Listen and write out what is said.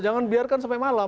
jangan biarkan sampai malam